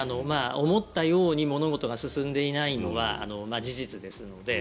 思ったように物事が進んでいないのは事実ですので。